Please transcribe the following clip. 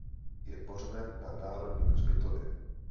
Je pohřben na Národním hřbitově.